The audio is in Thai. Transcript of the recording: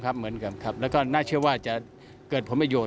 เหมือนกันครับแล้วก็น่าเชื่อว่าจะเกิดผลประโยชน